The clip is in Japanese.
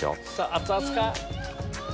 熱々か？